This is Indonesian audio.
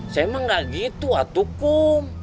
saya emang gak gitu atukum